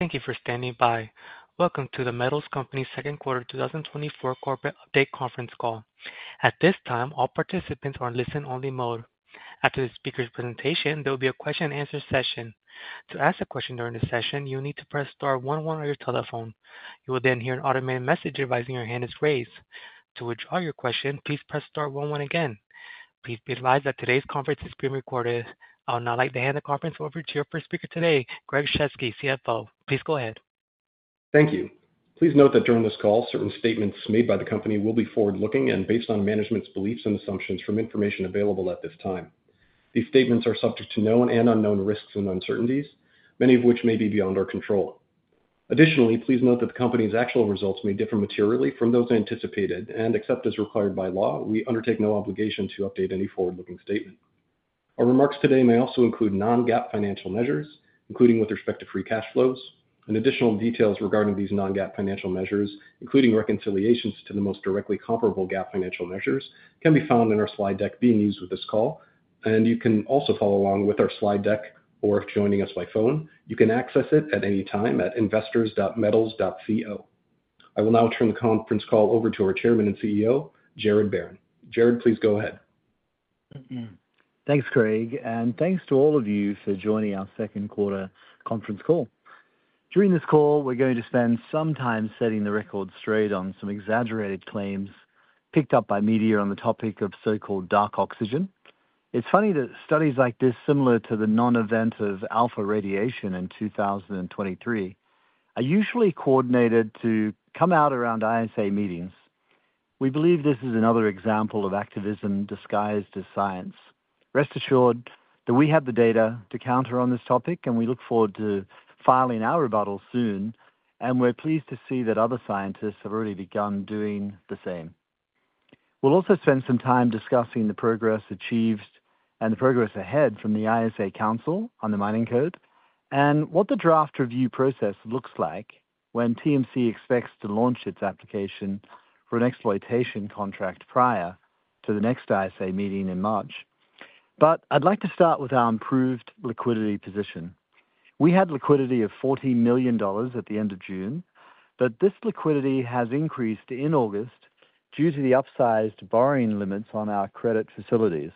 Thank you for standing by. Welcome to The Metals Company Q2 2024 Corporate Update Conference Call. At this time, all participants are in listen-only mode. After the speaker's presentation, there will be a question-and-answer session. To ask a question during the session, you need to press star one one on your telephone. You will then hear an automated message advising your hand is raised. To withdraw your question, please press star one one again. Please be advised that today's conference is being recorded. I would now like to hand the conference over to your first speaker today, Craig Shesky, CFO. Please go ahead. Thank you. Please note that during this call, certain statements made by the company will be forward-looking and based on management's beliefs and assumptions from information available at this time. These statements are subject to known and unknown risks and uncertainties, many of which may be beyond our control. Additionally, please note that the company's actual results may differ materially from those anticipated, and except as required by law, we undertake no obligation to update any forward-looking statement. Our remarks today may also include non-GAAP financial measures, including with respect to free cash flows, and additional details regarding these non-GAAP financial measures, including reconciliations to the most directly comparable GAAP financial measures, can be found in our slide deck being used with this call. You can also follow along with our slide deck, or if joining us by phone, you can access it at any time at investors.themetals.co. I will now turn the conference call over to our Chairman and CEO, Gerard Barron. Gerard, please go ahead. Thanks, Craig, and thanks to all of you for joining our Q2 Conference Call. During this call, we're going to spend some time setting the record straight on some exaggerated claims picked up by media on the topic of so-called Dark oxygen. It's funny that studies like this, similar to the non-event of alpha radiation in 2023, are usually coordinated to come out around ISA meetings. We believe this is another example of activism disguised as science. Rest assured that we have the data to counter on this topic, and we look forward to filing our rebuttal soon, and we're pleased to see that other scientists have already begun doing the same. We'll also spend some time discussing the progress achieved and the progress ahead from the ISA Council on the Mining Code and what the draft review process looks like when TMC expects to launch its application for an exploitation contract prior to the next ISA meeting in March. But I'd like to start with our improved liquidity position. We had liquidity of $14 million at the end of June, but this liquidity has increased in August due to the upsized borrowing limits on our credit facilities.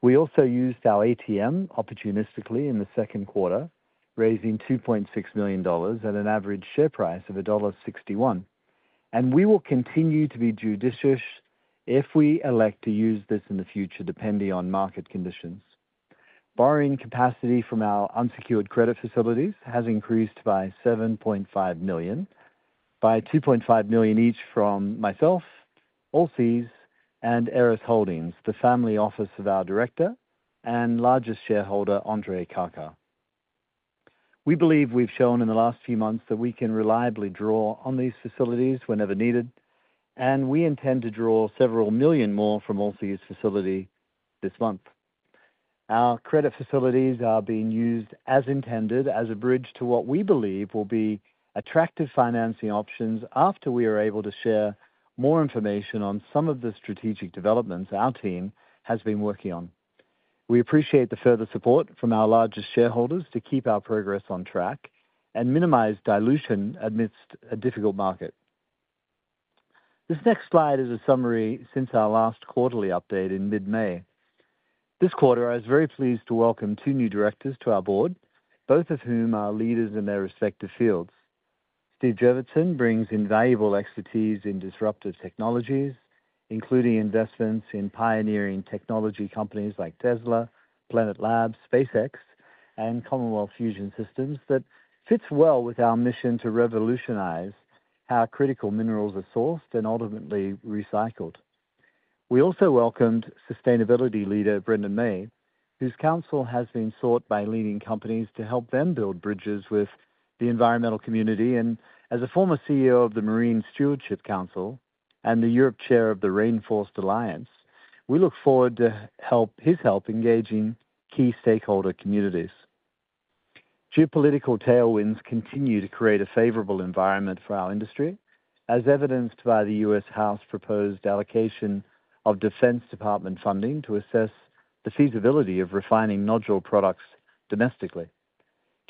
We also used our ATM opportunistically in the Q2, raising $2.6 million at an average share price of $1.61, and we will continue to be judicious if we elect to use this in the future, depending on market conditions. Borrowing capacity from our unsecured credit facilities has increased by $7.5 million, by $2.5 million each from myself, Allseas, and ERAS Holdings, the family office of our director and largest shareholder, Andrei Karkar. We believe we've shown in the last few months that we can reliably draw on these facilities whenever needed, and we intend to draw several million more from Allseas facility this month. Our credit facilities are being used as intended as a bridge to what we believe will be attractive financing options after we are able to share more information on some of the strategic developments our team has been working on. We appreciate the further support from our largest shareholders to keep our progress on track and minimize dilution amidst a difficult market. This next slide is a summary since our last quarterly update in mid-May. This quarter, I was very pleased to welcome two new directors to our board, both of whom are leaders in their respective fields. Steve Jurvetson brings invaluable expertise in disruptive technologies, including investments in pioneering technology companies like Tesla, Planet Labs, SpaceX, and Commonwealth Fusion Systems that fits well with our mission to revolutionize how critical minerals are sourced and ultimately recycled. We also welcomed sustainability leader Brendan May, whose counsel has been sought by leading companies to help them build bridges with the environmental community. As a former CEO of the Marine Stewardship Council and the Europe Chair of the Rainforest Alliance, we look forward to his help engaging key stakeholder communities. Geopolitical tailwinds continue to create a favorable environment for our industry, as evidenced by the U.S. House proposed allocation of Defense Department funding to assess the feasibility of refining nodule products domestically.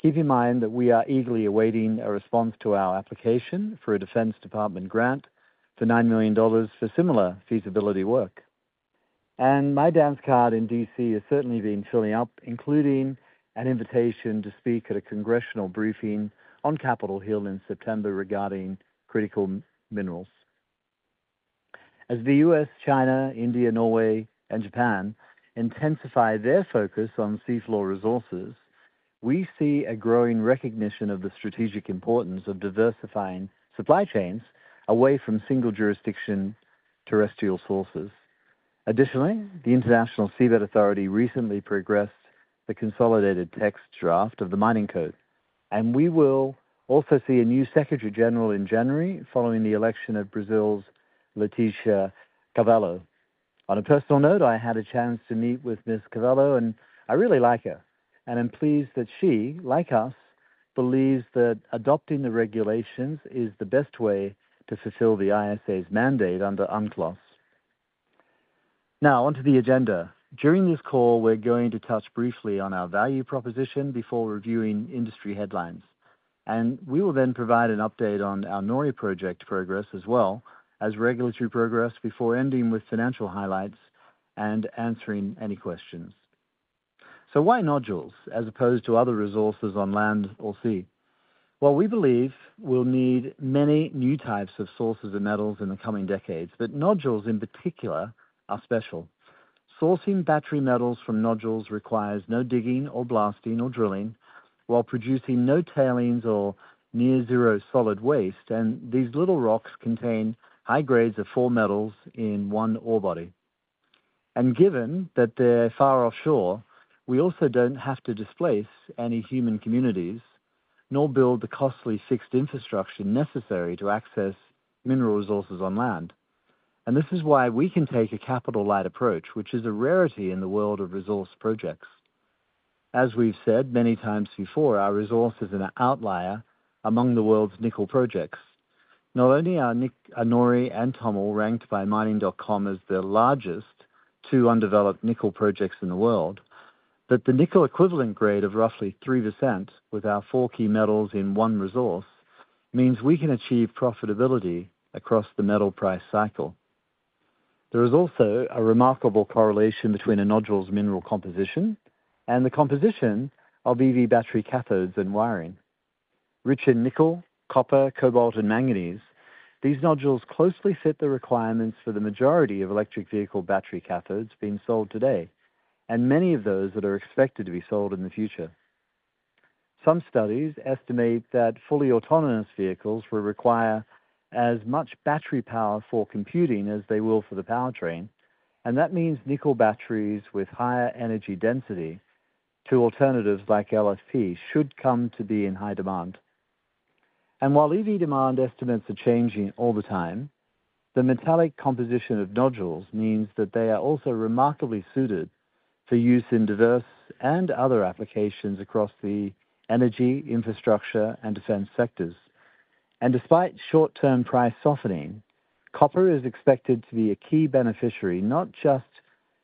Keep in mind that we are eagerly awaiting a response to our application for a Defense Department grant for $9 million for similar feasibility work. My dance card in D.C. has certainly been filling up, including an invitation to speak at a congressional briefing on Capitol Hill in September regarding critical minerals. As the U.S., China, India, Norway, and Japan intensify their focus on seafloor resources, we see a growing recognition of the strategic importance of diversifying supply chains away from single jurisdiction terrestrial sources. Additionally, the International Seabed Authority recently progressed the consolidated text draft of the Mining Code, and we will also see a new Secretary General in January, following the election of Brazil's Leticia Carvalho. On a personal note, I had a chance to meet with Ms. Carvalho, and I really like her, and I'm pleased that she, like us, believes that adopting the regulations is the best way to fulfill the ISA's mandate under UNCLOS. Now, on to the agenda. During this call, we're going to touch briefly on our value proposition before reviewing industry headlines. We will then provide an update on our NORI project progress, as well as regulatory progress, before ending with financial highlights and answering any questions. So why nodules, as opposed to other resources on land or sea? Well, we believe we'll need many new types of sources of metals in the coming decades, but nodules, in particular, are special. Sourcing battery metals from nodules requires no digging or blasting or drilling, while producing no tailings or near zero solid waste, and these little rocks contain high grades of four metals in one ore body. And given that they're far offshore, we also don't have to displace any human communities, nor build the costly fixed infrastructure necessary to access mineral resources on land. And this is why we can take a capital-light approach, which is a rarity in the world of resource projects. As we've said many times before, our resource is an outlier among the world's nickel projects. Not only are NORI and TOML ranked by Mining.com as the largest two undeveloped nickel projects in the world, but the nickel equivalent grade of roughly 3%, with our four key metals in one resource, means we can achieve profitability across the metal price cycle. There is also a remarkable correlation between a nodule's mineral composition and the composition of EV battery cathodes and wiring. Rich in nickel, copper, cobalt, and manganese, these nodules closely fit the requirements for the majority of electric vehicle battery cathodes being sold today, and many of those that are expected to be sold in the future. Some studies estimate that fully autonomous vehicles will require as much battery power for computing as they will for the powertrain, and that means nickel batteries with higher energy density to alternatives like LFP should come to be in high demand. And while EV demand estimates are changing all the time, the metallic composition of nodules means that they are also remarkably suited for use in diverse and other applications across the energy, infrastructure, and defense sectors. And despite short-term price softening, copper is expected to be a key beneficiary, not just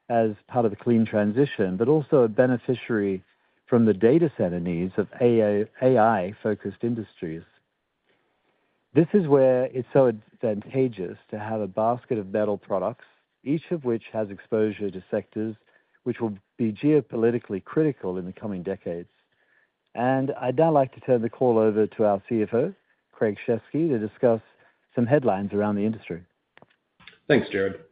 as part of the clean transition, but also a beneficiary from the data center needs of AI, AI-focused industries. This is where it's so advantageous to have a basket of metal products, each of which has exposure to sectors which will be geopolitically critical in the coming decades. I'd now like to turn the call over to our CFO, Craig Sheskey, to discuss some headlines around the industry. Thanks, Gerard.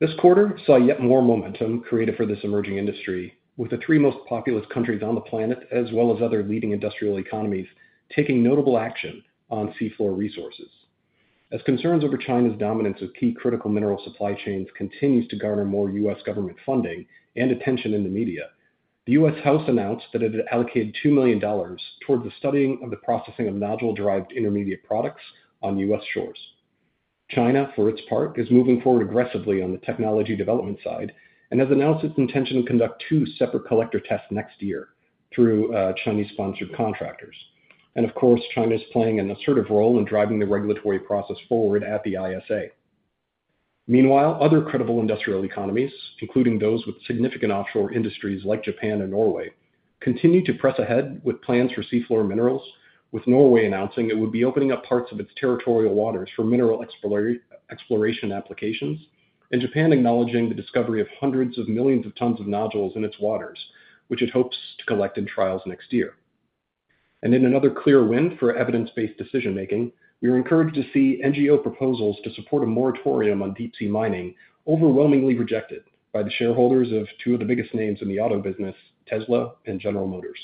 This quarter saw yet more momentum created for this emerging industry, with the three most populous countries on the planet, as well as other leading industrial economies, taking notable action on seafloor resources. As concerns over China's dominance of key critical mineral supply chains continues to garner more U.S. government funding and attention in the media, the U.S. House announced that it had allocated $2 million towards the studying of the processing of nodule-derived intermediate products on U.S. shores. China, for its part, is moving forward aggressively on the technology development side and has announced its intention to conduct two separate collector tests next year through Chinese-sponsored contractors. And of course, China is playing an assertive role in driving the regulatory process forward at the ISA. Meanwhile, other credible industrial economies, including those with significant offshore industries like Japan and Norway, continue to press ahead with plans for seafloor minerals, with Norway announcing it would be opening up parts of its territorial waters for mineral exploration applications, and Japan acknowledging the discovery of hundreds of millions of tons of nodules in its waters, which it hopes to collect in trials next year. In another clear win for evidence-based decision-making, we were encouraged to see NGO proposals to support a moratorium on deep-sea mining overwhelmingly rejected by the shareholders of two of the biggest names in the auto business, Tesla and General Motors.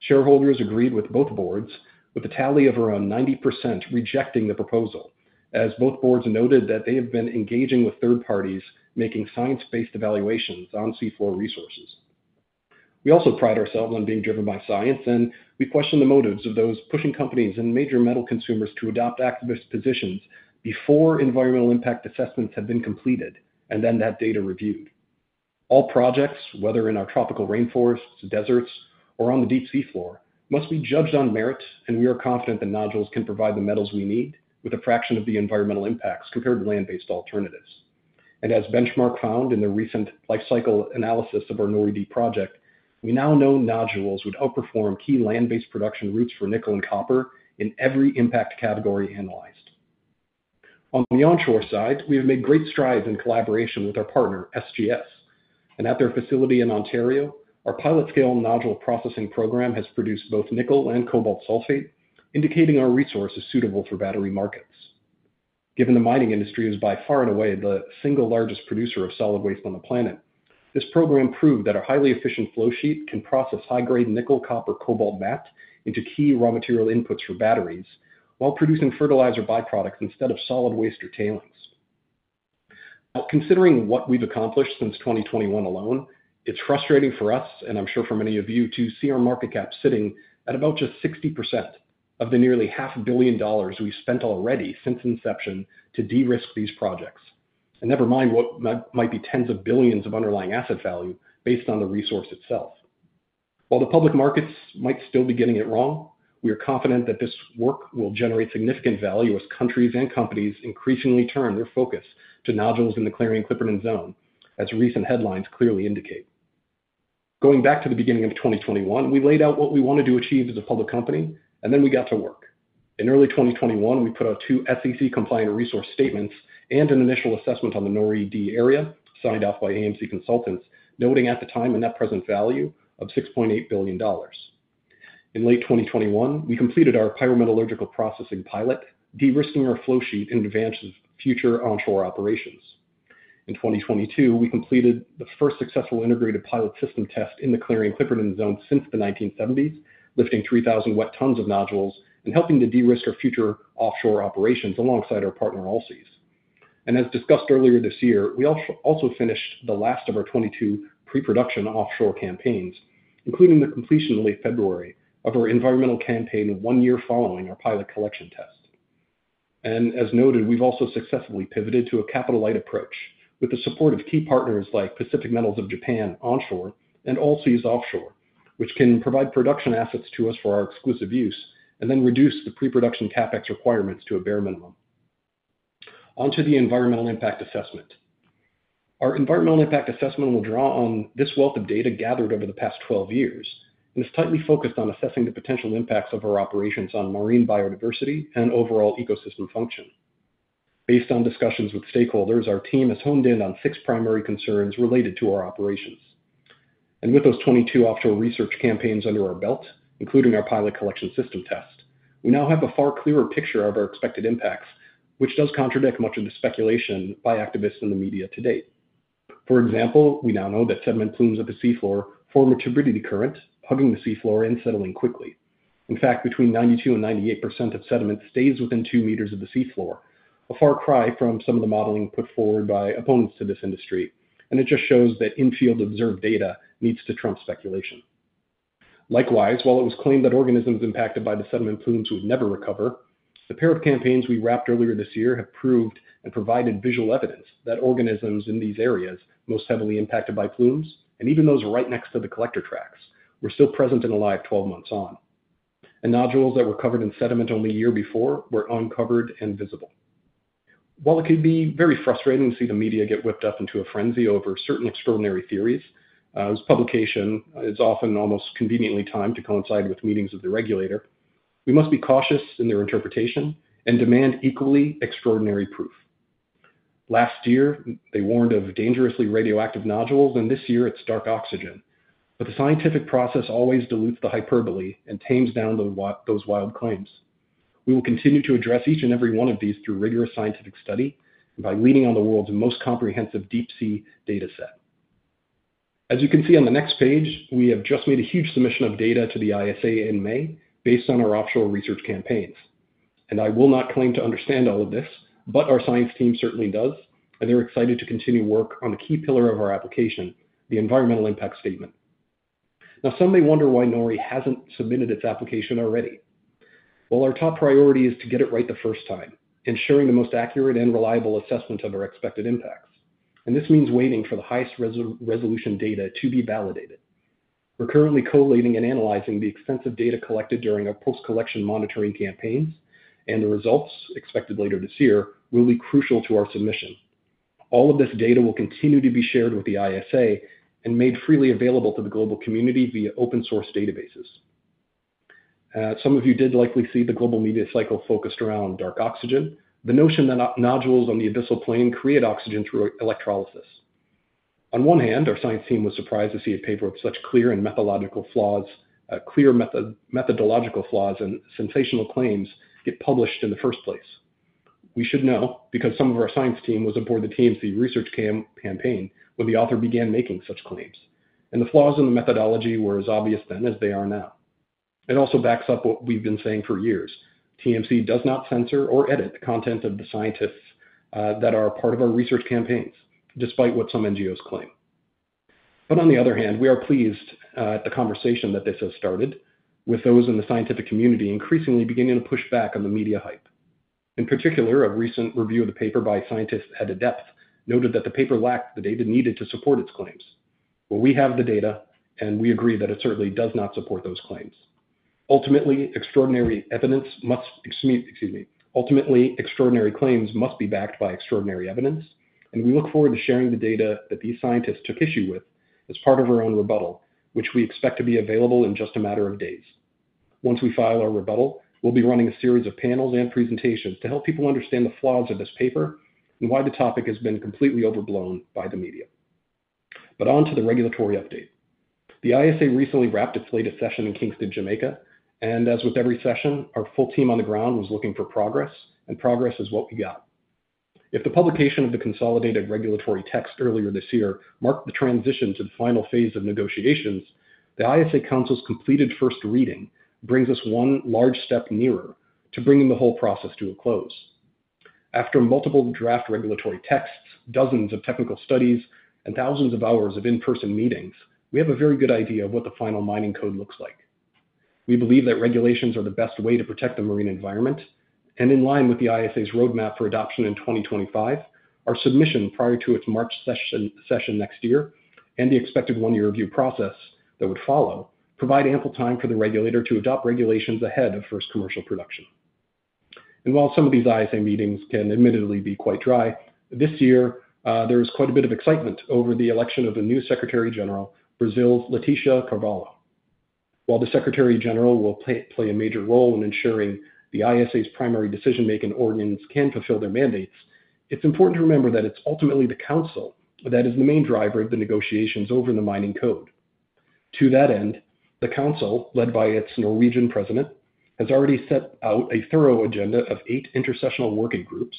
Shareholders agreed with both boards, with a tally of around 90% rejecting the proposal, as both boards noted that they have been engaging with third parties, making science-based evaluations on seafloor resources. We also pride ourselves on being driven by science, and we question the motives of those pushing companies and major metal consumers to adopt activist positions before environmental impact assessments have been completed, and then that data reviewed. All projects, whether in our tropical rainforests, deserts, or on the deep seafloor, must be judged on merit, and we are confident that nodules can provide the metals we need with a fraction of the environmental impacts compared to land-based alternatives. As Benchmark found in their recent life cycle analysis of our NORI D project, we now know nodules would outperform key land-based production routes for nickel and copper in every impact category analyzed. On the onshore side, we have made great strides in collaboration with our partner, SGS, and at their facility in Ontario, our pilot-scale nodule processing program has produced both nickel and cobalt sulfate, indicating our resource is suitable for battery markets. Given the mining industry is by far and away the single largest producer of solid waste on the planet, this program proved that a highly efficient flowsheet can process high-grade nickel, copper, cobalt matte into key raw material inputs for batteries while producing fertilizer byproducts instead of solid waste or tailings. Now, considering what we've accomplished since 2021 alone, it's frustrating for us, and I'm sure for many of you, to see our market cap sitting at about just 60% of the nearly $500 million we've spent already since inception to de-risk these projects, and never mind what might be tens of billions of underlying asset value based on the resource itself. While the public markets might still be getting it wrong, we are confident that this work will generate significant value as countries and companies increasingly turn their focus to nodules in the Clarion-Clipperton Zone, as recent headlines clearly indicate. Going back to the beginning of 2021, we laid out what we wanted to achieve as a public company, and then we got to work. In early 2021, we put out two SEC-compliant resource statements and an initial assessment on the NORI D area, signed off by AMC Consultants, noting at the time a net present value of $6.8 billion. In late 2021, we completed our pyrometallurgical processing pilot, de-risking our flow sheet in advance of future onshore operations. In 2022, we completed the first successful integrated pilot system test in the Clarion-Clipperton Zone since the 1970s, lifting 3,000 wet tons of nodules and helping to de-risk our future offshore operations alongside our partner, Allseas. And as discussed earlier this year, we also finished the last of our 2022 pre-production offshore campaigns, including the completion in late February of our environmental campaign, one year following our pilot collection test. As noted, we've also successfully pivoted to a capital-light approach with the support of key partners like Pacific Metals of Japan onshore and Allseas offshore, which can provide production assets to us for our exclusive use and then reduce the pre-production CapEx requirements to a bare minimum. On to the Environmental Impact Assessment. Our Environmental Impact Assessment will draw on this wealth of data gathered over the past 12 years and is tightly focused on assessing the potential impacts of our operations on marine biodiversity and overall ecosystem function. Based on discussions with stakeholders, our team has honed in on six primary concerns related to our operations. With those 22 offshore research campaigns under our belt, including our pilot collection system test, we now have a far clearer picture of our expected impacts, which does contradict much of the speculation by activists in the media to date. For example, we now know that sediment plumes at the seafloor form a turbidity current, hugging the seafloor and settling quickly. In fact, between 92% and 98% of sediment stays within 2 meters of the seafloor, a far cry from some of the modeling put forward by opponents to this industry, and it just shows that in-field observed data needs to trump speculation. Likewise, while it was claimed that organisms impacted by the sediment plumes would never recover, the pair of campaigns we wrapped earlier this year have proved and provided visual evidence that organisms in these areas, most heavily impacted by plumes, and even those right next to the collector tracks, were still present and alive 12 months on. And nodules that were covered in sediment only a year before were uncovered and visible. While it can be very frustrating to see the media get whipped up into a frenzy over certain extraordinary theories, whose publication is often almost conveniently timed to coincide with meetings of the regulator, we must be cautious in their interpretation and demand equally extraordinary proof. Last year, they warned of dangerously radioactive nodules, and this year it's dark oxygen. But the scientific process always dilutes the hyperbole and tames down those wild claims. We will continue to address each and every one of these through rigorous scientific study and by leading on the world's most comprehensive deep-sea data set. As you can see on the next page, we have just made a huge submission of data to the ISA in May based on our offshore research campaigns. And I will not claim to understand all of this, but our science team certainly does, and they're excited to continue work on the key pillar of our application, the environmental impact statement. Now, some may wonder why NORI hasn't submitted its application already. Well, our top priority is to get it right the first time, ensuring the most accurate and reliable assessment of our expected impacts. And this means waiting for the highest resolution data to be validated. We're currently collating and analyzing the extensive data collected during our post-collection monitoring campaigns, and the results, expected later this year, will be crucial to our submission. All of this data will continue to be shared with the ISA and made freely available to the global community via open-source databases. Some of you did likely see the global media cycle focused around dark oxygen, the notion that nodules on the abyssal plain create oxygen through electrolysis. On one hand, our science team was surprised to see a paper with such clear and methodological flaws and sensational claims get published in the first place. We should know, because some of our science team was aboard the TMC research campaign when the author began making such claims, and the flaws in the methodology were as obvious then as they are now. It also backs up what we've been saying for years. TMC does not censor or edit the content of the scientists that are part of our research campaigns, despite what some NGOs claim. But on the other hand, we are pleased at the conversation that this has started, with those in the scientific community increasingly beginning to push back on the media hype. In particular, a recent review of the paper by scientists at Adepth noted that the paper lacked the data needed to support its claims. Well, we have the data, and we agree that it certainly does not support those claims. Ultimately, extraordinary evidence must... excuse me. Ultimately, extraordinary claims must be backed by extraordinary evidence, and we look forward to sharing the data that these scientists took issue with as part of our own rebuttal, which we expect to be available in just a matter of days. Once we file our rebuttal, we'll be running a series of panels and presentations to help people understand the flaws of this paper and why the topic has been completely overblown by the media. But on to the regulatory update. The ISA recently wrapped its latest session in Kingston, Jamaica, and as with every session, our full team on the ground was looking for progress, and progress is what we got. If the publication of the consolidated regulatory text earlier this year marked the transition to the final phase of negotiations, the ISA Council's completed first reading brings us one large step nearer to bringing the whole process to a close. After multiple draft regulatory texts, dozens of technical studies, and thousands of hours of in-person meetings, we have a very good idea of what the final Mining Code looks like... We believe that regulations are the best way to protect the marine environment, and in line with the ISA's roadmap for adoption in 2025, our submission prior to its March session next year, and the expected one-year review process that would follow, provide ample time for the regulator to adopt regulations ahead of first commercial production. While some of these ISA meetings can admittedly be quite dry, this year there is quite a bit of excitement over the election of a new Secretary-General, Brazil's Letícia Carvalho. While the Secretary-General will play a major role in ensuring the ISA's primary decision-making organ can fulfill their mandates, it's important to remember that it's ultimately the Council that is the main driver of the negotiations over the Mining Code. To that end, the council, led by its Norwegian president, has already set out a thorough agenda of eight intersessional working groups,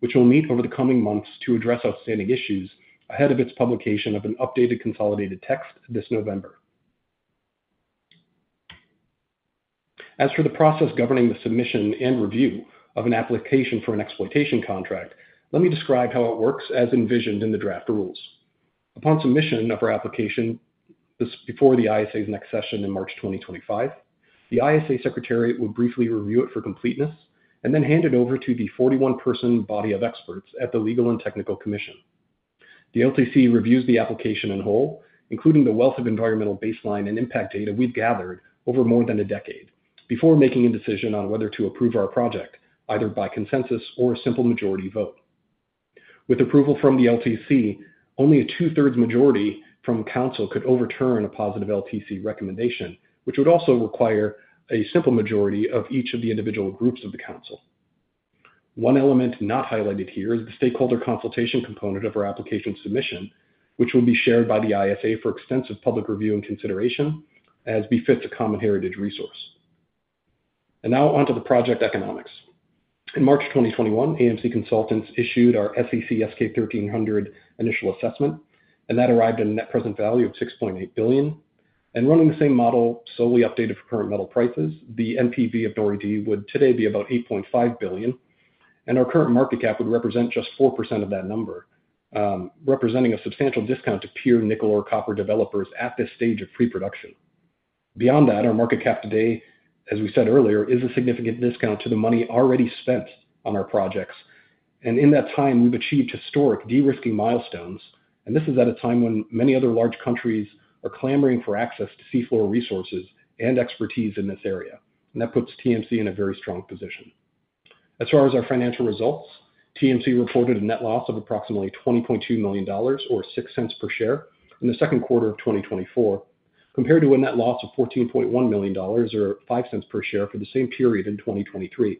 which will meet over the coming months to address outstanding issues ahead of its publication of an updated consolidated text this November. As for the process governing the submission and review of an application for an exploitation contract, let me describe how it works as envisioned in the draft rules. Upon submission of our application, this before the ISA's next session in March 2025, the ISA Secretariat will briefly review it for completeness and then hand it over to the 41-person body of experts at the Legal and Technical Commission. The LTC reviews the application in whole, including the wealth of environmental baseline and impact data we've gathered over more than a decade, before making a decision on whether to approve our project, either by consensus or a simple majority vote. With approval from the LTC, only a two-thirds majority from council could overturn a positive LTC recommendation, which would also require a simple majority of each of the individual groups of the council. One element not highlighted here is the stakeholder consultation component of our application submission, which will be shared by the ISA for extensive public review and consideration, as befits a common heritage resource. Now on to the project economics. In March 2021, AMC Consultants issued our SEC SK-1300 initial assessment, and that arrived at a net present value of $6.8 billion. Running the same model, solely updated for current metal prices, the NPV of Nori D would today be about $8.5 billion, and our current market cap would represent just 4% of that number, representing a substantial discount to peer nickel or copper developers at this stage of pre-production. Beyond that, our market cap today, as we said earlier, is a significant discount to the money already spent on our projects, and in that time, we've achieved historic de-risking milestones. This is at a time when many other large countries are clamoring for access to seafloor resources and expertise in this area. That puts TMC in a very strong position. As far as our financial results, TMC reported a net loss of approximately $20.2 million or 6 cents per share in the Q2 of 2024, compared to a net loss of $14.1 million or 5 cents per share for the same period in 2023.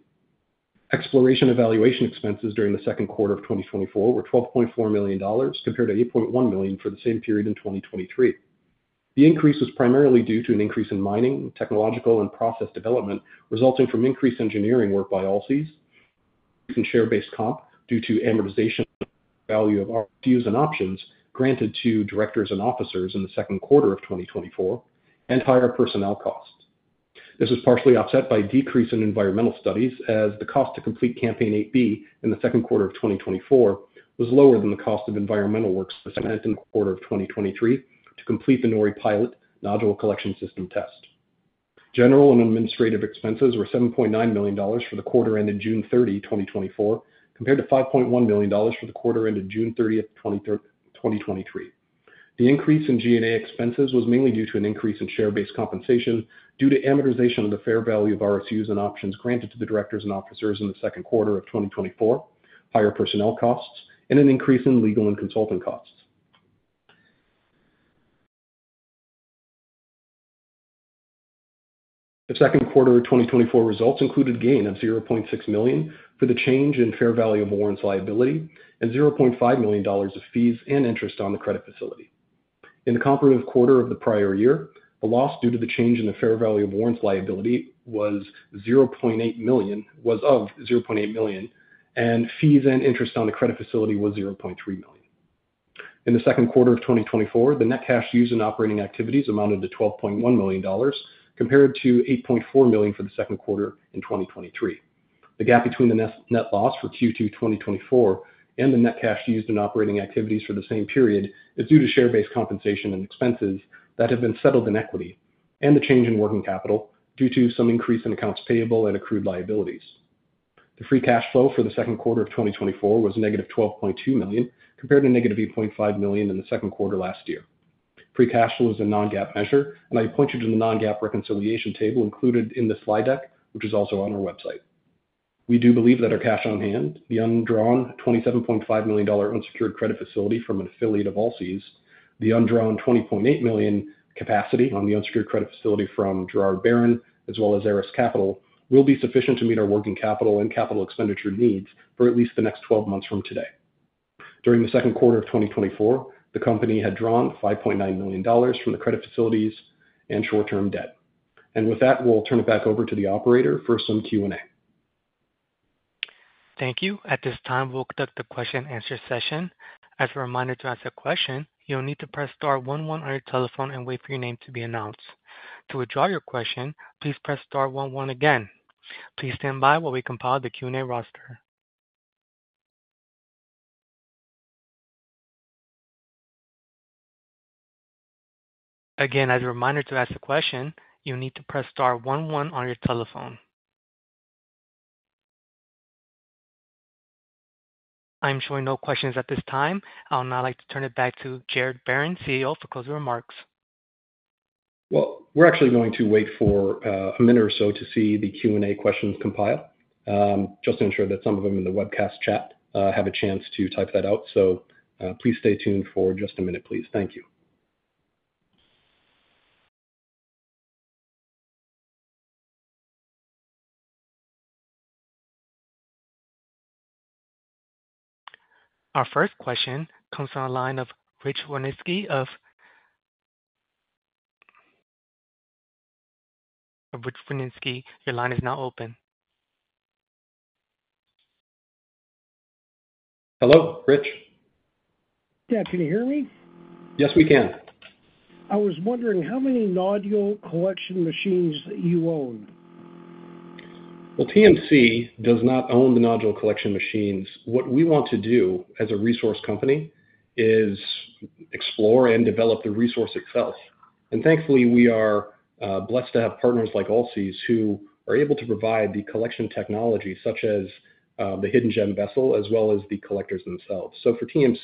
Exploration evaluation expenses during the Q2 of 2024 were $12.4 million, compared to $8.1 million for the same period in 2023. The increase was primarily due to an increase in mining, technological, and process development, resulting from increased engineering work by Allseas, and share-based comp due to amortization value of our fees and options granted to directors and officers in the Q2 of 2024, and higher personnel costs. This was partially offset by a decrease in environmental studies, as the cost to complete Campaign 8B in the Q2 of 2024 was lower than the cost of environmental work specified in the quarter of 2023 to complete the Nori pilot nodule collection system test. General and administrative expenses were $7.9 million for the quarter ended 30 June, 2024, compared to $5.1 million for the quarter ended 30 June, 2023. The increase in G&A expenses was mainly due to an increase in share-based compensation due to amortization of the fair value of RSUs and options granted to the directors and officers in the Q2 of 2024, higher personnel costs, and an increase in legal and consulting costs. The Q2 of 2024 results included gain of $0.6 million for the change in fair value of warrants liability and $0.5 million of fees and interest on the credit facility. In the comparative quarter of the prior year, a loss due to the change in the fair value of warrants liability was of $0.8 million, and fees and interest on the credit facility was $0.3 million. In the Q2 of 2024, the net cash used in operating activities amounted to $12.1 million, compared to $8.4 million for the Q2 in 2023. The gap between the net loss for Q2 2024 and the net cash used in operating activities for the same period is due to share-based compensation and expenses that have been settled in equity, and the change in working capital due to some increase in accounts payable and accrued liabilities. The free cash flow for the Q2 of 2024 was negative $12.2 million, compared to negative $8.5 million in the Q2 last year. Free cash flow is a non-GAAP measure, and I point you to the non-GAAP reconciliation table included in the slide deck, which is also on our website. We do believe that our cash on hand, the undrawn $27.5 million unsecured credit facility from an affiliate of Allseas, the undrawn $20.8 million capacity on the unsecured credit facility from Gerard Barron, as well as ERAS Capital, will be sufficient to meet our working capital and capital expenditure needs for at least the next 12 months from today. During the Q2 of 2024, the company had drawn $5.9 million from the credit facilities and short-term debt. With that, we'll turn it back over to the operator for some Q&A. Thank you. At this time, we'll conduct the question and answer session. As a reminder to ask a question, you'll need to press star one one on your telephone and wait for your name to be announced. To withdraw your question, please press star one one again. Please stand by while we compile the Q&A roster. Again, as a reminder, to ask a question, you need to press star one one on your telephone. I'm showing no questions at this time. I would now like to turn it back to Gerard Barron, CEO, for closing remarks. Well, we're actually going to wait for a minute or so to see the Q&A questions compile, just to ensure that some of them in the webcast chat have a chance to type that out. So, please stay tuned for just a minute, please. Thank you. Our first question comes from the line of Rich Weninsky of... Rich Weninsky, your line is now open. Hello, Rich? Yeah, can you hear me? Yes, we can. I was wondering how many nodule collection machines you own? Well, TMC does not own the nodule collection machines. What we want to do as a resource company is explore and develop the resource itself. And thankfully, we are blessed to have partners like Allseas, who are able to provide the collection technology, such as the Hidden Gem vessel, as well as the collectors themselves. So for TMC,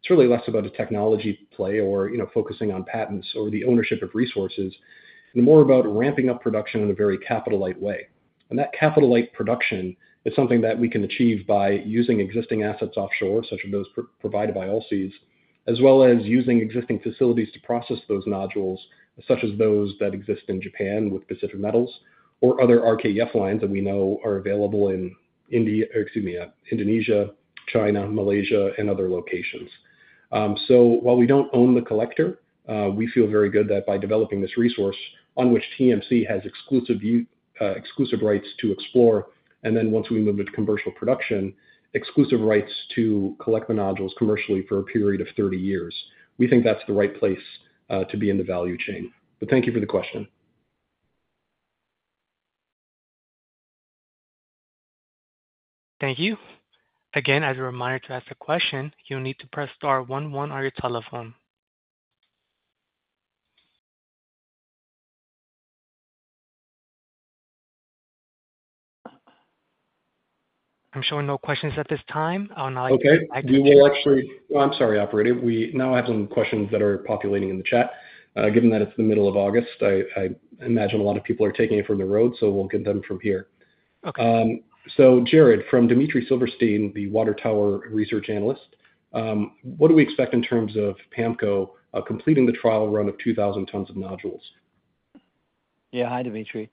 it's really less about a technology play or, you know, focusing on patents or the ownership of resources, and more about ramping up production in a very capital-light way. And that capital-light production is something that we can achieve by using existing assets offshore, such as those provided by Allseas, as well as using existing facilities to process those nodules, such as those that exist in Japan with Pacific Metals or other RKEF lines that we know are available in India, excuse me, Indonesia, China, Malaysia, and other locations. So while we don't own the collector, we feel very good that by developing this resource on which TMC has exclusive rights to explore, and then once we move into commercial production, exclusive rights to collect the nodules commercially for a period of 30 years. We think that's the right place to be in the value chain. But thank you for the question. Thank you. Again, as a reminder, to ask a question, you'll need to press star one one on your telephone. I'm showing no questions at this time. I'll now- Okay. We will actually... Oh, I'm sorry, operator. We now have some questions that are populating in the chat. Given that it's the middle of August, I imagine a lot of people are taking it from the road, so we'll get them from here. Okay. So, Gerard, from Dmitry Silversteyn, the Water Tower Research analyst, what do we expect in terms of PAMCO completing the trial run of 2,000 tons of nodules? Yeah. Hi, Dmitry.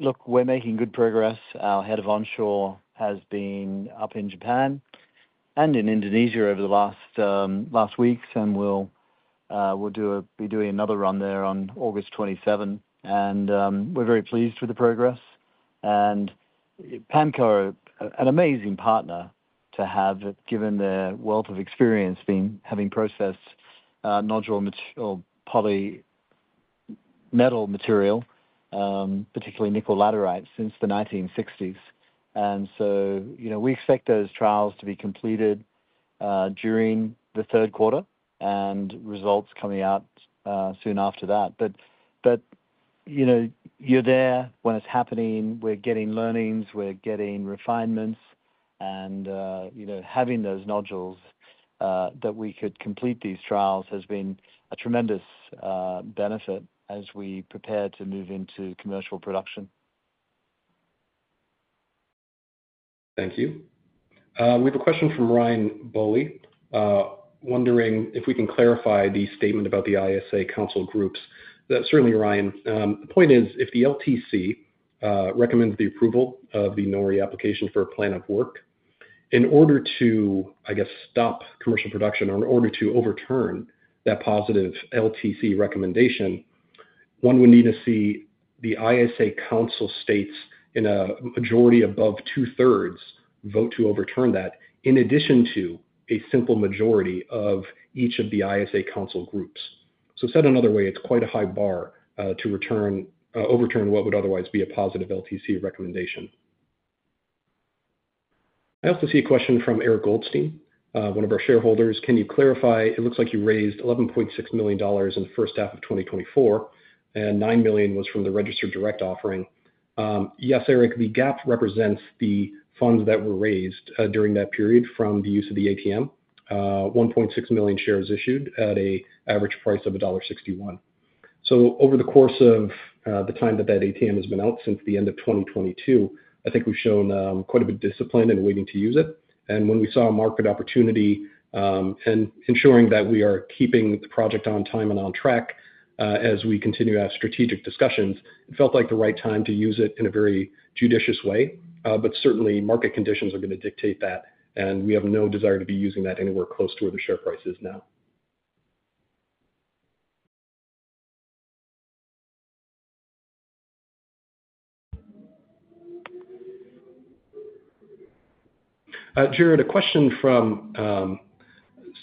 Look, we're making good progress. Our head of onshore has been up in Japan and in Indonesia over the last weeks, and we'll be doing another run there on August 27, and we're very pleased with the progress. And PAMCO, an amazing partner to have, given their wealth of experience having processed nodule or polymetallic material, particularly nickel laterite, since the 1960s. And so, you know, we expect those trials to be completed during the Q3 and results coming out soon after that. But you know, you're there when it's happening. We're getting learnings, we're getting refinements, and you know, having those nodules that we could complete these trials has been a tremendous benefit as we prepare to move into commercial production. Thank you. We have a question from Ryan Boley, wondering if we can clarify the statement about the ISA council groups. That certainly, Ryan, the point is, if the LTC recommends the approval of the NORI application for a plan of work, in order to, I guess, stop commercial production or in order to overturn that positive LTC recommendation, one, we need to see the ISA council states in a majority above two-thirds vote to overturn that, in addition to a simple majority of each of the ISA council groups. So said another way, it's quite a high bar to overturn what would otherwise be a positive LTC recommendation. I also see a question from Eric Goldstein, one of our shareholders. Can you clarify... It looks like you raised $11.6 million in the first half of 2024, and $9 million was from the registered direct offering. Yes, Eric, the gap represents the funds that were raised during that period from the use of the ATM. 1.6 million shares issued at an average price of $1.61. So over the course of the time that that ATM has been out since the end of 2022, I think we've shown quite a bit of discipline in waiting to use it. And when we saw a market opportunity, and ensuring that we are keeping the project on time and on track, as we continue to have strategic discussions, it felt like the right time to use it in a very judicious way. Certainly, market conditions are going to dictate that, and we have no desire to be using that anywhere close to where the share price is now. Gerard, a question from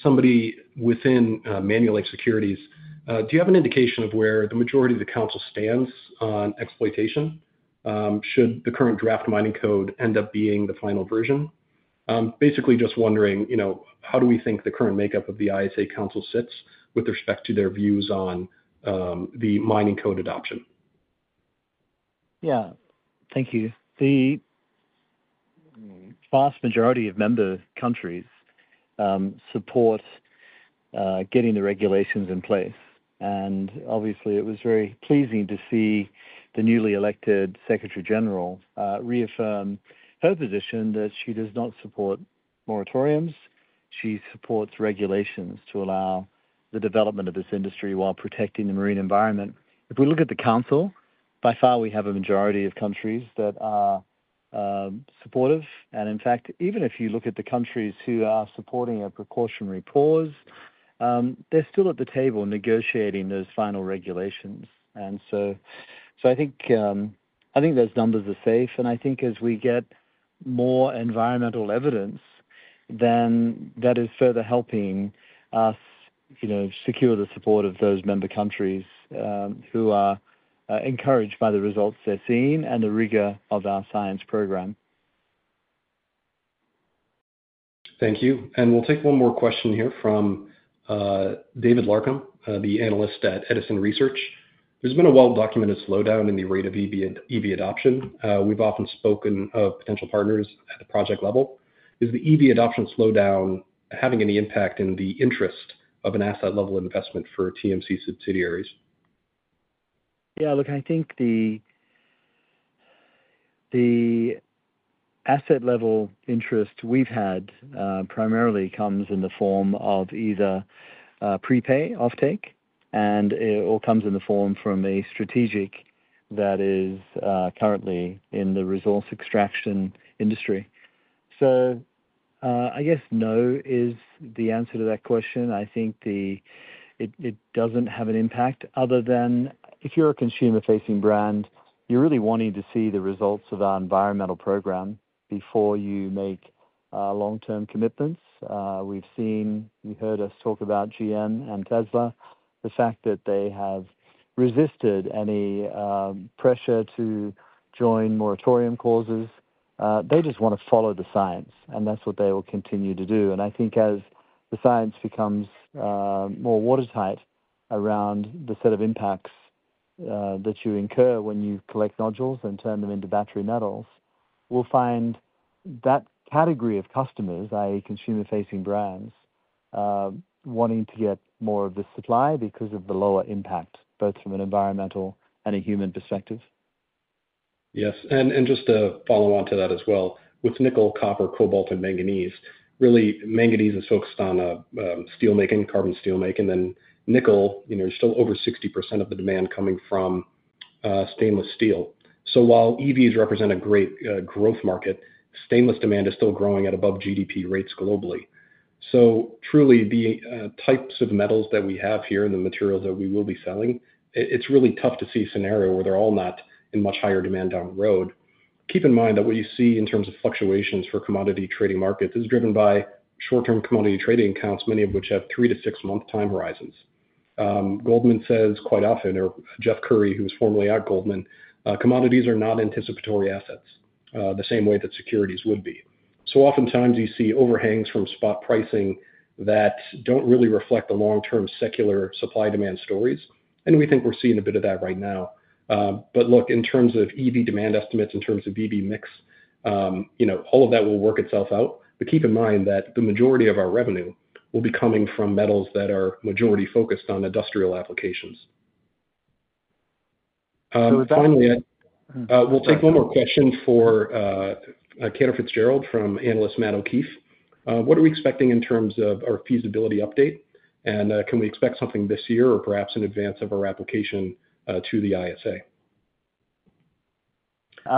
somebody within Manulife Securities. Do you have an indication of where the majority of the council stands on exploitation should the current draft Mining Code end up being the final version? Basically just wondering, you know, how do we think the current makeup of the ISA Council sits with respect to their views on the Mining Code adoption? Yeah. Thank you. The vast majority of member countries support getting the regulations in place. And obviously, it was very pleasing to see the newly elected Secretary-General reaffirm her position that she does not support moratoriums. She supports regulations to allow the development of this industry while protecting the marine environment. If we look at the council, by far, we have a majority of countries that are supportive. And in fact, even if you look at the countries who are supporting a precautionary pause, they're still at the table negotiating those final regulations. I think those numbers are safe, and I think as we get more environmental evidence, then that is further helping us, you know, secure the support of those member countries who are encouraged by the results they're seeing and the rigor of our science program. Thank you. We'll take one more question here from David Larkam, the analyst at Edison Research. There's been a well-documented slowdown in the rate of EV adoption. We've often spoken of potential partners at a project level. Is the EV adoption slowdown having any impact in the interest of an asset-level investment for TMC subsidiaries? Yeah, look, I think the asset-level interest we've had primarily comes in the form of either prepay offtake, and it all comes in the form from a strategic that is currently in the resource extraction industry. So, I guess no is the answer to that question. I think it doesn't have an impact other than if you're a consumer-facing brand, you're really wanting to see the results of our environmental program before you make long-term commitments. We've seen you heard us talk about GM and Tesla, the fact that they have resisted any pressure to join moratorium causes. They just wanna follow the science, and that's what they will continue to do. And I think as the science becomes more watertight around the set of impacts that you incur when you collect nodules and turn them into battery metals, we'll find that category of customers, i.e., consumer-facing brands, wanting to get more of this supply because of the lower impact, both from an environmental and a human perspective. Yes, and just to follow on to that as well, with nickel, copper, cobalt, and manganese, really, manganese is focused on steelmaking, carbon steelmaking, and then nickel, you know, still over 60% of the demand coming from stainless steel. So while EVs represent a great growth market, stainless demand is still growing at above GDP rates globally. So truly, the types of metals that we have here and the materials that we will be selling, it, it's really tough to see a scenario where they're all not in much higher demand down the road. Keep in mind that what you see in terms of fluctuations for commodity trading markets is driven by short-term commodity trading accounts, many of which have 3- to 6-month time horizons. Goldman Sachs says quite often, or Jeff Currie, who's formerly at Goldman Sachs, "Commodities are not anticipatory assets, the same way that securities would be." So oftentimes you see overhangs from spot pricing that don't really reflect the long-term secular supply-demand stories, and we think we're seeing a bit of that right now. But look, in terms of EV demand estimates, in terms of EV mix, you know, all of that will work itself out. But keep in mind that the majority of our revenue will be coming from metals that are majority focused on industrial applications. Finally, we'll take one more question for, Cantor Fitzgerald from analyst Matt O'Keefe. What are we expecting in terms of our feasibility update, and, can we expect something this year or perhaps in advance of our application, to the ISA?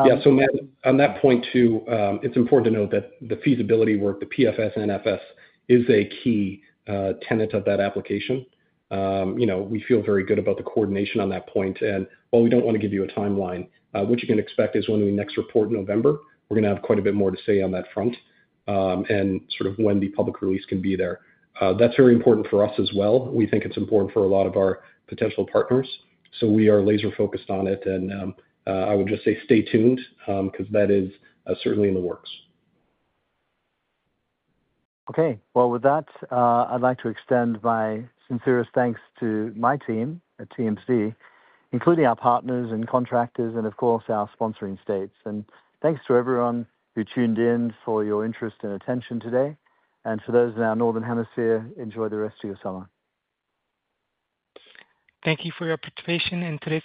Yeah, so Matt, on that point, too, it's important to note that the feasibility work, the PFS and NFS, is a key tenet of that application. You know, we feel very good about the coordination on that point, and while we don't want to give you a timeline, what you can expect is when we next report in November, we're gonna have quite a bit more to say on that front, and sort of when the public release can be there. That's very important for us as well. We think it's important for a lot of our potential partners, so we are laser-focused on it, and, I would just say stay tuned, 'cause that is certainly in the works. Okay. Well, with that, I'd like to extend my sincerest thanks to my team at TMC, including our partners and contractors and of course, our sponsoring states. And thanks to everyone who tuned in for your interest and attention today. And to those in our northern hemisphere, enjoy the rest of your summer. Thank you for your participation in today's-